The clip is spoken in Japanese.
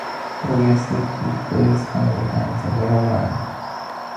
For your safety, please stand behind the yellow line.